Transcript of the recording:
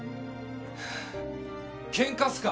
「ケンカっすか？